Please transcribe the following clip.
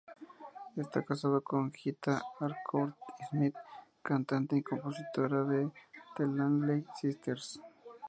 Esta casado con Gita Harcourt-Smith, cantante y compositora de The Langley Sisters.